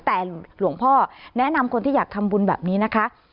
แต่หลวงพ่อแนะนำคนที่อยากทำบุญแบบนี้นะคะ